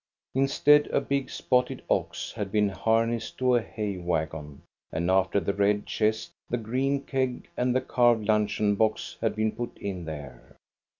Instead, a big spotted ox had been harnessed to a hay wagon, and after the red chest, the green keg, and the carved luncheon box had been put in there.